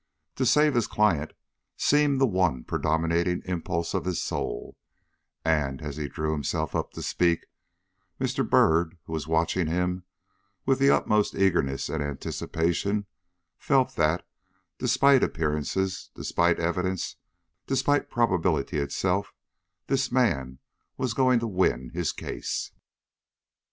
To save his client seemed the one predominating impulse of his soul, and, as he drew himself up to speak, Mr. Byrd, who was watching him with the utmost eagerness and anticipation, felt that, despite appearances, despite evidence, despite probability itself, this man was going to win his case.